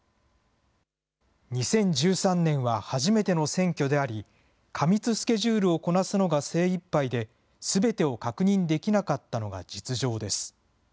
２０１３年は初めての選挙であり、過密スケジュールをこなすのが精いっぱいで、すべてを確認できなかったのが実情です。